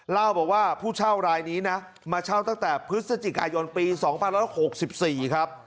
เล่าบอกว่าผู้เช่ารายนี้นะมาเช่าตั้งแต่พฤศจิกายนปี๒๐๖๔ครับ